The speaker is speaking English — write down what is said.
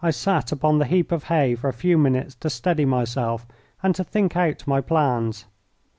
I sat upon the heap of hay for a few minutes to steady myself and to think out my plans.